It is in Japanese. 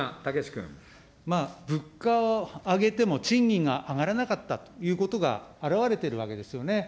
物価を上げても、賃金が上がらなかったということがあらわれているわけですよね。